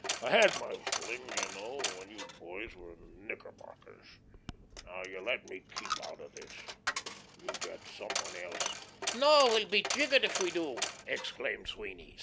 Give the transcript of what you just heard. I had my fling, you know, when you boys were in knickerbockers. Now you let me keep out of all this. You get some one else." "No, we'll be jiggered if we do," exclaimed Sweeny.